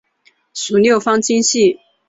属六方晶系。